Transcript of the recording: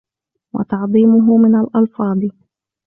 وَتَعْظِيمُهُ مِنْ الْأَلْفَاظِ